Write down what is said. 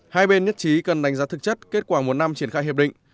hai bên nhất trí cần đánh giá thực chất kết quả một năm triển khai hiệp định